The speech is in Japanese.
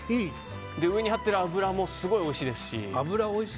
上に張ってる脂もすごいおいしいですし。